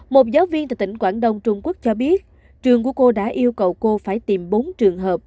một giáo viên từ tỉnh quảng đông trung quốc cho biết trường của cô đã yêu cầu cô phải tìm bốn trường hợp